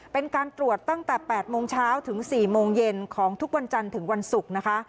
เป็นการตรวจตั้งแต่๘โมงเช้าถึง๔โมงเย็นของทุกวันจันทร์ถึงวันศุกร์นะคะ